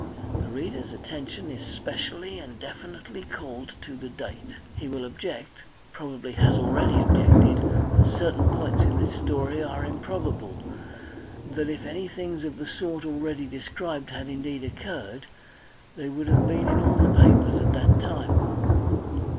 The reader's attention is specially and definitely called to the date. He will object, probably has already objected, that certain points in this story are improbable, that if any things of the sort already described had indeed occurred, they would have been in all the papers at that time.